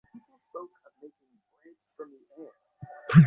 প্রয়োজনে পৌরসভা মসজিদ নামকরণ করে তাঁরা প্রতিষ্ঠানটির যাবতীয় ব্যয়ভার বহন করবেন।